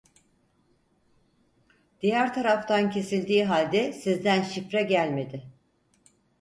Diğer taraftan kesildiği halde sizden şifre gelmedi